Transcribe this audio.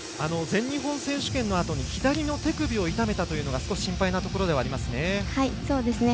全日本選手権のあとに左の手首を痛めたというのが少し心配なところではありますね。